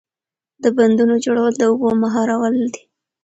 د بندونو جوړول د اوبو مهارول دي.